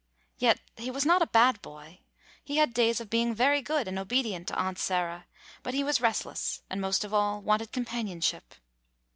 Yet he was not a bad boy. He had days of being very good and obedient to Aunt Sarah, but he was restless, and, most of all, wanted companionship.